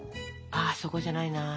あそこじゃないな。